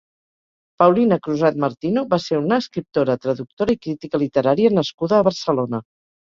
Paulina Crusat Martino va ser una escriptora, traductora i crítica literària nascuda a Barcelona.